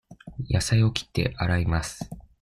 野菜を切って、洗います。